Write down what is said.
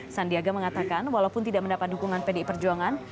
sandiaga mengatakan walaupun tidak mendapat dukungan pdi perjuangan